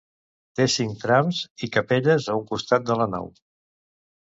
Té cinc trams i capelles a un costat de la nau.